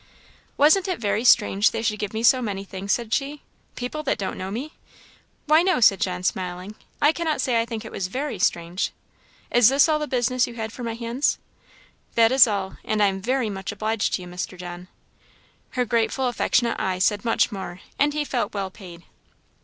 "Wasn't it very strange they should give me so many things?" said she; "people that don't know me?" "Why, no," said John, smiling "I cannot say I think it was very strange. Is this all the business you had for my hands?" "This is all; and I am very much obliged to you, Mr. John." Her grateful, affectionate eye said much more, and he felt well paid.